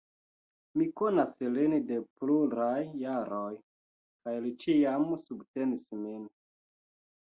Mi konas lin de pluraj jaroj, kaj li ĉiam subtenis min.